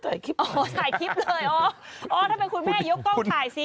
ถ้าเป็นคุณแม่ยิ่งกล้องถ่ายสิ